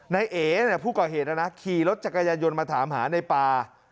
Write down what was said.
ในเอผู้ก่อเหตุขี่รถจักรยานยนต์มาถามหาในปา